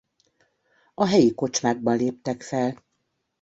A helyi kocsmákban léptek fel.